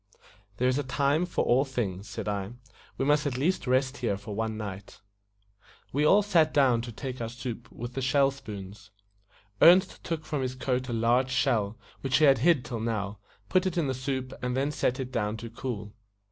"There is a time for all things," said I. "We must at least rest here for one night." We all sat down to take our soup with the shell spoons. Ernest took from his coat a large shell, which he had hid till now, put it in the soup, and then set it down to cool.